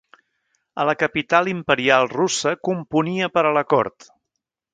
A la capital imperial russa componia per a la cort.